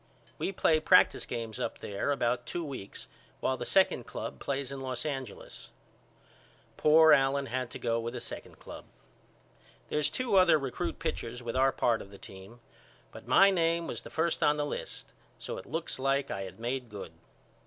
We play practice games up there about two weeks while the second club plays in Los Angeles. Poor Allen had to go with the second club. There's two other recrut pitchers with our part of the team but my name was first on the list so it looks like I had made good.